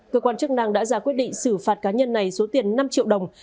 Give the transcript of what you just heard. cơ quan chức năng đã ra quyết định xử phạt cá nhân này số tiền năm triệu đồng